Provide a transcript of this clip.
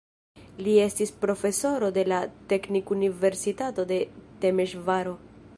Li estis profesoro de la Teknikuniversitato de Temeŝvaro.